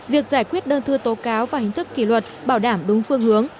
việc giải quyết đơn thư tố cáo và hình thức kỷ luật bảo đảm đúng phương hướng